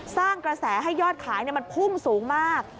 สร้างกระแสให้ยอดขายมันพุ่งสูงมาก